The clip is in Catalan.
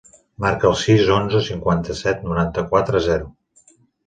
Marca el sis, onze, cinquanta-set, noranta-quatre, zero.